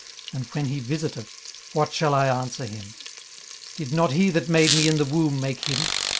and when he visiteth, what shall I answer him? 18:031:015 Did not he that made me in the womb make him?